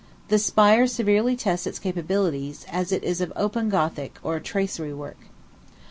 The spire severely tests its capabilities, as it is of open Gothic, or tracery work.